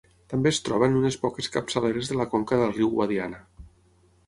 També es troba en unes poques capçaleres de la conca del riu Guadiana.